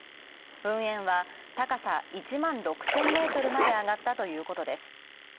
噴煙は高さ１万６０００ｍまであがったということです。